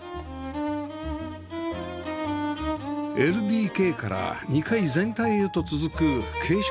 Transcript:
ＬＤＫ から２階全体へと続く傾斜